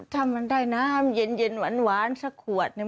ถ้ามันได้น้ำเย็นหวานสักขวดหนึ่ง